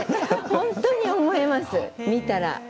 本当に思います、見たら。